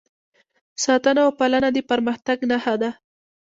ساتنه او پالنه د پرمختګ نښه ده.